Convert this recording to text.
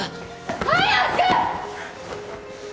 早く！